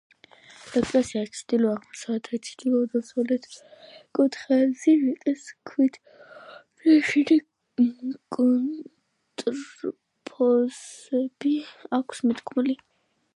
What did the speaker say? ეკლესიას ჩრდილო-აღმოსავლეთ და ჩრდილო-დასავლეთ კუთხეებზე რიყის ქვით ნაშენი კონტრფორსები აქვს მიდგმული.